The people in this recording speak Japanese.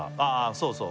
そうそう